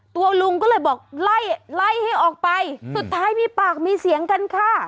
ตัวลุงก็เลยบอกไล่ไล่ให้ออกไปสุดท้ายมีปากมีเสียงกันค่ะ